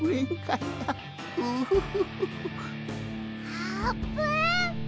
あーぷん。